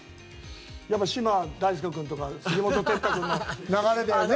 やっぱ、嶋大輔君とか杉本哲太君の流れでね。